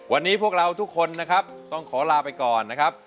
วันนี้พวกเราทุกคนนะครับต้องขอลาไปก่อนนะครับ